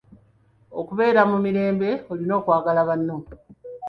Okubeera mu mirembe olina okwagala banno.